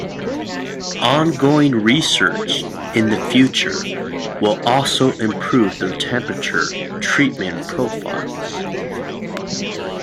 Ongoing research in the future will also improve their temperature treatment profiles.